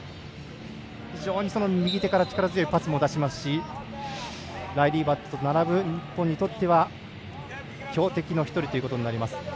非常に右手から力強いパスも出しますしライリー・バットと並ぶ日本にとっては強敵の１人ということになります。